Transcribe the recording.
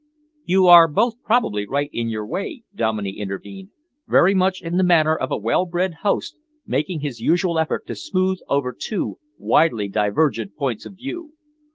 "You are probably both right in your way," Dominey intervened, very much in the manner of a well bred host making his usual effort to smooth over two widely divergent points of view.